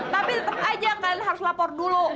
tapi tetep aja kalian harus lapor dulu